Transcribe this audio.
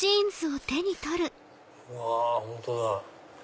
うわ本当だ。